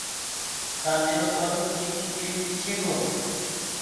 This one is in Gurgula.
ڪآ ميرو ٻڙو تيڏ ڪي پيڇي گو۔